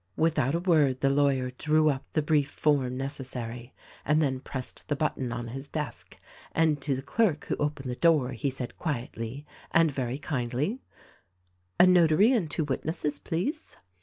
" Without a word the lawyer drew up the brief form neces sary and then pressed the button on his desk, and to the clerk who opened the door he said quietly and very kindly : "A Notary and two witnesses, please."